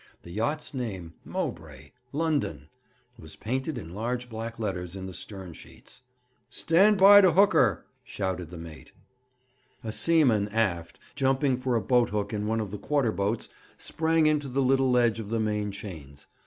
The yacht's name, 'Mowbray London,' was painted in large black letters in the stern sheets. 'Stand by to hook her,' shouted the mate. A seaman aft, jumping for a boathook in one of the quarter boats, sprang into the little ledge of the main chains.